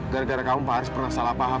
gara gara kamu pak haris pernah salah paham